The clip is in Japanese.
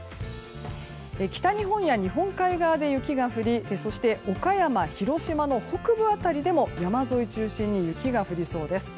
北日本や日本海側で雪が降りそして岡山、広島の北部辺りでも山沿いを中心に雪が降りそうです。